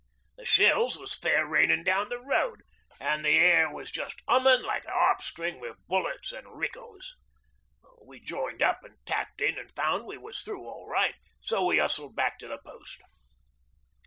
The shells was fair rainin' down that road, an' the air was just hummin' like a harpstring wi' bullets an' rickos. We joined up an' tapped in an' found we was through all right, so we hustled back to the Post.